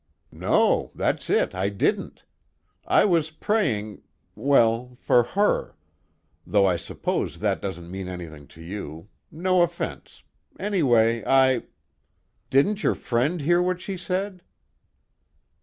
"No, that's it, I didn't. I was praying well, for her, though I suppose that doesn't mean anything to you, no offense, anyway I " "Didn't your friend hear what she said?"